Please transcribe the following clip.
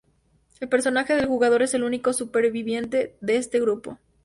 El personaje del jugador es el único superviviente de este grupo.